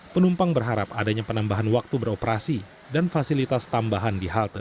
penumpang berharap adanya penambahan waktu beroperasi dan fasilitas tambahan di halte